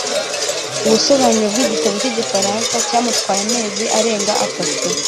Ubusobanuro bwigitabo cyigifaransa cyamutwaye amezi arenga atatu